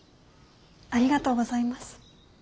ありがとうございます。